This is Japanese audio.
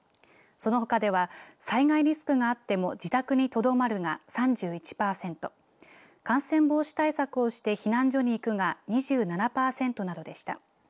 そのほかでは災害リスクがあっても自宅にとどまるが３１パーセント感染防止対策をして避難所に行くが２７パーセントなどでした。